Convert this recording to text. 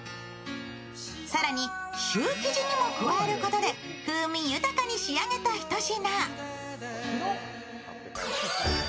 更に、シュー生地にも加えることで風味豊かに仕上げたひと品。